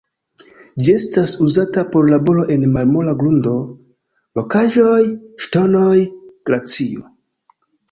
Ĝi estas uzata por laboro en malmola grundo, rokaĵoj, ŝtonoj, glacio.